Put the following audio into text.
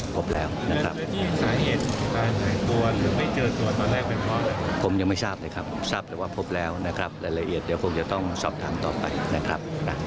เข้าใจว่าวันสองวันนี้นะครับ